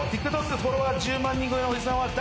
フォロワー１０万人超えのおじさんは誰？